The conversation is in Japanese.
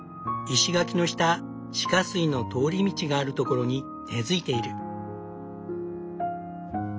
石垣の下地下水の通り道があるところに根づいている。